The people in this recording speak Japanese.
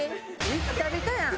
ビッタビタやん。